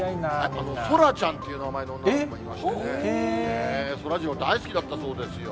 そらちゃんという名前の子もいましてね、そらジロー、大好きだったそうですよ。